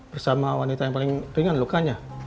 bersama wanita yang paling ringan lukanya